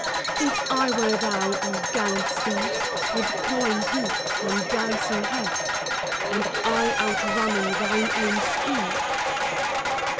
If I were thou, O gallant steed, With pawing hoof, and dancing head, And eye outrunning thine own speed; VIII.